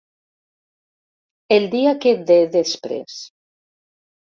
El dia que de després.